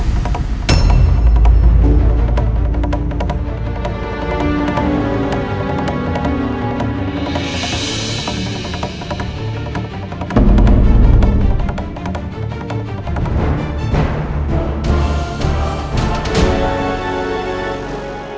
untuk membuatnya lebih baik